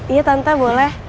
iya tante boleh